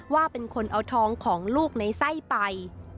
ว่าเป็นคนเอาทองของลูกในไส้ไป